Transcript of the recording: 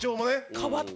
変わって。